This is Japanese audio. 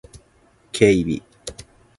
警備